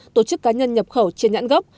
tổ chức cá nhân nhập khẩu trên nhãn gốc